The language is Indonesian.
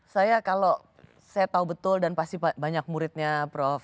saya kalau saya tahu betul dan pasti banyak muridnya prof